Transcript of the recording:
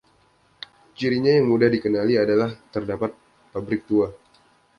Cirinya yang mudah dikenali adalah terdapat pabrik tua.